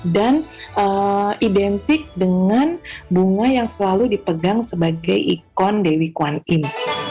dan identik dengan bunga yang selalu dipegang sebagai ikon dewi kwan in